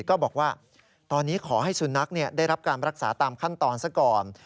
ก็บอกว่าตอนนี้ขอให้สุนัขได้รับการรักษาตามขั้นตอนซะก่อน